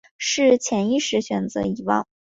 是潜意识选择遗忘